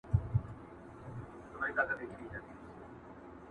خر حیران وو چي سپی ولي معتبر دی.!